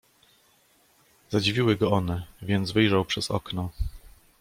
"Zadziwiły go one, więc wyjrzał przez okno."